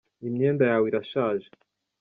Imyenda yawe irashaje.